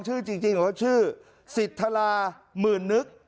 ชื่อจริงกลัวชื่อสิจทราหมื่อนนึก